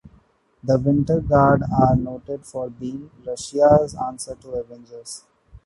The Winter Guard are noted for being "Russia's answer to the Avengers".